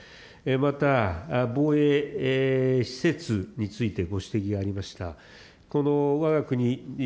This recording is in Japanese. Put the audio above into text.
また、防衛施設についてご指摘がありました。